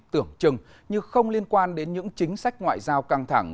tưởng chừng như không liên quan đến những chính sách ngoại giao căng thẳng